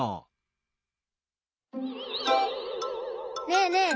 ねえねえ！